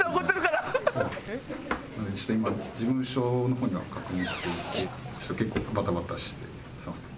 なのでちょっと今事務所の方には確認していてちょっと結構バタバタしてすみません。